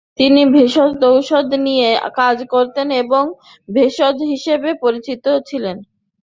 তিনি ভেষজ ঔষধ নিয়ে কাজ করতেন এবং ভিষক হিসেবে পরিচিত ছিলেন।